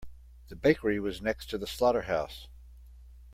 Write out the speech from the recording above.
The bakery was next to the slaughterhouse.